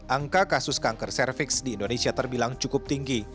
angka kasus kanker cervix di indonesia terbilang cukup tinggi